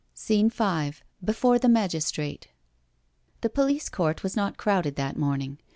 SCENE V BEFORE THE MAGISTRATE The police court was not crowded that morning.